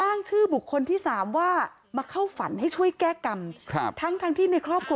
คนชื่อนั้นตามที่หลวงตาชะดาทองบอก